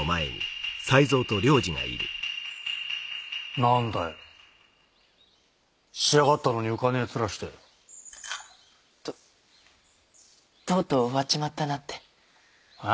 何だよ仕上がったのに浮かねぇ面してととうとう終わっちまったなってあぁ？